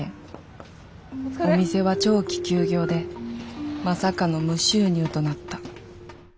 お店は長期休業でまさかの無収入となった。